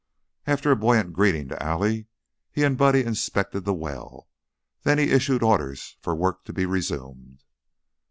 After a buoyant greeting to Allie, he and Buddy inspected the well, then he issued orders for work to be resumed.